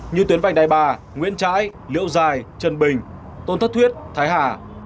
như tuyến vành đài bà nguyễn trãi liễu dài trần bình tôn thất thuyết thái hà